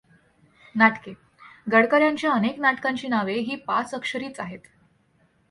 नाटके गडकर् यांच्या अनेक नाटकांची नावे ही पाच अक्षरीच आहेत.